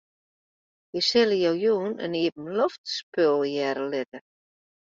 Wy sille jo jûn in iepenloftspul hearre litte.